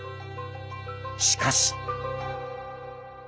しかし。